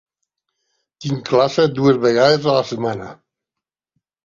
Tinc classe dues vegades la setmana.